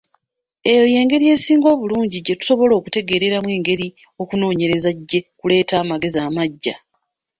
Eyo y'engeri esinga obulungi gye tusobola okutegeeramu engeri okunoonyereza gye kuleetawo amagezi amaggya.